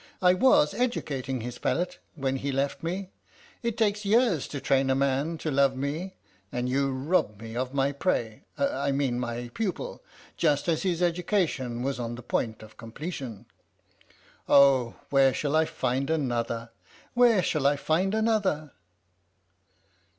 I was educating his palate when he left me. It takes years to train a man to love me, and you robbed me of my prey I mean my pupil just as his education was on the point of completion ! Oh, where shall I find another! Where shall I find another!